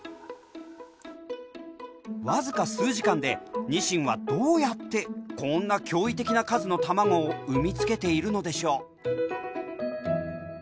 僅か数時間でニシンはどうやってこんな驚異的な数の卵を産み付けているのでしょう？